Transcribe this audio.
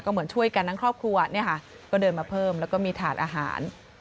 เหมือนช่วยกันทั้งครอบครัวเนี่ยค่ะก็เดินมาเพิ่มแล้วก็มีถาดอาหาร